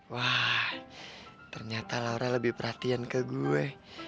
wah ternyata laura lebih perhatian ke gue